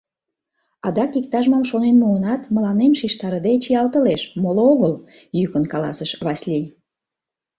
— Адак иктаж-мом шонен муынат, мыланем шижтарыде чиялтылеш, моло огыл, — йӱкын каласыш Васлий.